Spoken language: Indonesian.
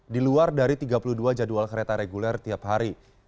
di luar dari tiga puluh dua jadwal kereta reguler tiap hari